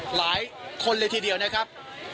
หลายคนเลยทีเดียวนะครับ